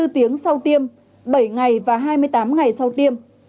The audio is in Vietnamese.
hai mươi tiếng sau tiêm bảy ngày và hai mươi tám ngày sau tiêm